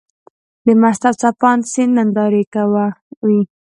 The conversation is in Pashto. د مست او څپانده سيند ننداره کوې.